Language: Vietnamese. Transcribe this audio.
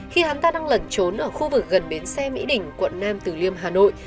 khi hắn ta đang lẩn trốn ở khu vực gần bến xe mỹ đỉnh quận nam từ liêm hà nội